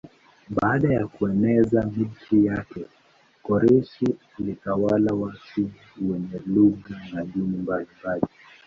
Baada ya kueneza milki yake Koreshi alitawala watu wenye lugha na dini mbalimbali.